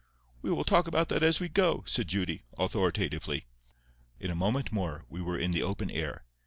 "We will talk about that as we go," said Judy, authoritatively. In a moment more we were in the open air.